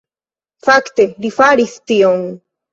Fakte, li faris tion